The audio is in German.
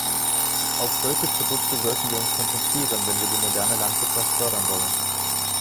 Auf solche Produkte sollten wir uns konzentrieren, wenn wir die moderne Landwirtschaft fördern wollen.